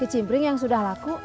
uang ke cimbring yang sudah laku